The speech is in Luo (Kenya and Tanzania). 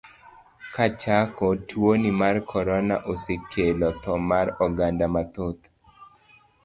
Kachako, tuoni mar korona osekelo tho mar oganda mathoth.